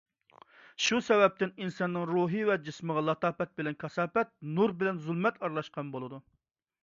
شۇ سەۋەبتىن ئىنساننىڭ روھى ۋە جىسمىغا لاتاپەت بىلەن كاساپەت، نۇر بىلەن زۇلمەت ئارىلاشقان بولىدۇ.